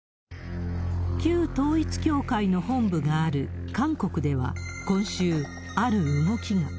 旧統一教会の本部がある韓国では、今週、ある動きが。